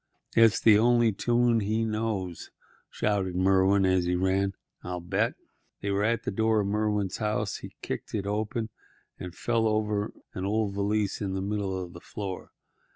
"It's the only tune he knows," shouted Merwin, as he ran. "I'll bet—" They were at the door of Merwin's house. He kicked it open and fell over an old valise lying in the middle of the floor.